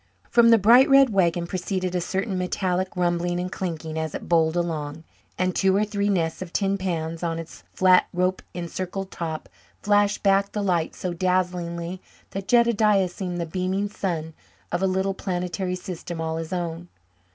From the bright red wagon proceeded a certain metallic rumbling and clinking as it bowled along, and two or three nests of tin pans on its flat rope encircled top flashed back the light so dazzlingly that Jedediah seemed the beaming sun of a little planetary system all his own.